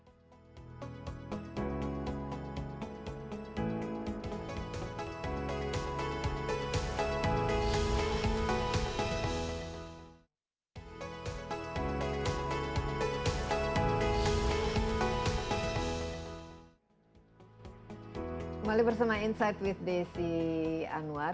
kembali bersama insight with desi anwar